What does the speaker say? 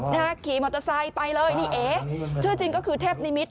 ขี่มอเตอร์ไซค์ไปเลยนี่เอ๋ชื่อจริงก็คือเทพนิมิต